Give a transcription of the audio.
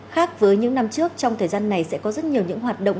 khác với những năm trước trong thời gian này sẽ có rất nhiều những hoạt động